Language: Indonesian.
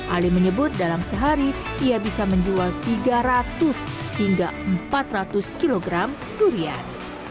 ali menyebut dalam sehari ia bisa menjual tiga ratus hingga empat ratus kg durian